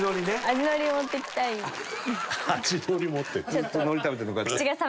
ずっとのり食べてるのか。